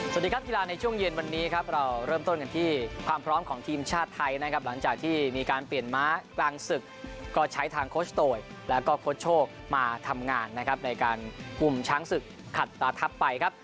สวัสดีครับกีฬาในช่วงเย็นวันนี้ครับเราเริ่มต้นกันที่ความพร้อมของทีมชาติไทยนะครับหลังจากที่มีการเปลี่ยนม้ากลางศึกก็ใช้ทางโคชโตยแล้วก็โค้ชโชคมาทำงานนะครับในการคุมช้างศึกขัดตาทัพไปครับ